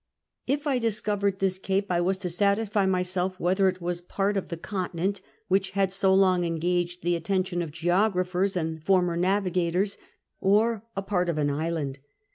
If I dis covered this cape, I was to satisfy myself whether it was a part of the continent which had so much engaged the atten tion of geographers and former navigattirs, or a part of an island.